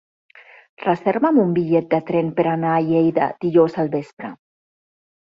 Reserva'm un bitllet de tren per anar a Lleida dijous al vespre.